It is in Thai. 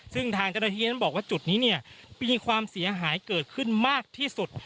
ซึ่งทางเจ้าหน้าที่นั้นบอกว่าจุดนี้เนี่ยมีความเสียหายเกิดขึ้นมากที่สุด